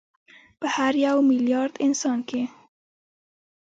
په هر یو میلیارد انسان کې